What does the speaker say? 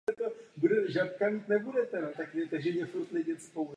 Tak si mě hudba našla...